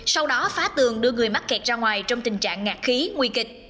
sau đó phá tường đưa người mắc kẹt ra ngoài trong tình trạng ngạc khí nguy kịch